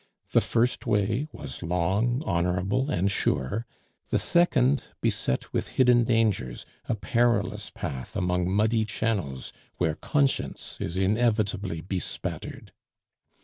The first way was long, honorable, and sure; the second beset with hidden dangers, a perilous path, among muddy channels where conscience is inevitably bespattered.